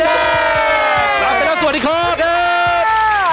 ตามไปแล้วสวัสดีครอบครับ